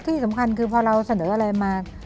ที่สำคัญคือไปใส่อะไรมา